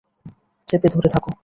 চেপে ধরে থাকো।